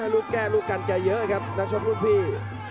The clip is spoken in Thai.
ลูกแก้ลูกกันแกเยอะครับนักชกรุ่นพี่